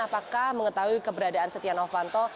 apakah mengetahui keberadaan seti anto